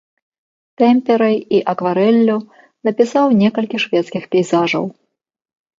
Тэмперай і акварэллю напісаў некалькі шведскіх пейзажаў.